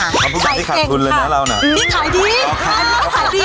ทำทุกอย่างที่ขายคุณเลยนะเรานะนี่ขายดี